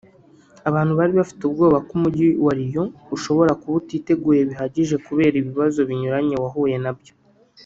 Abantu bari bafite ubwoba ko umujyi wa Rio ushobora kuba utiteguye bihagije kubera ibibazo binyuranye wahuye nabyo